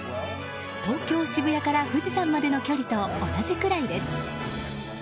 東京・渋谷から富士山までの距離と同じくらいです。